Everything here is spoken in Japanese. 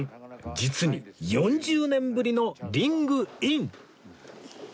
実に４０年ぶりのリングイン！